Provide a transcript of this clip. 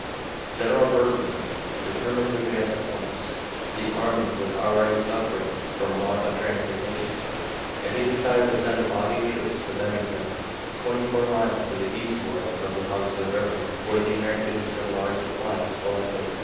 General Burgoyne determined to advance at once. The army was already suffering from want of transportation, and he decided to send a body of troops to Bennington, twenty four miles to the eastward of the Hudson River, where the Americans had large supplies collected.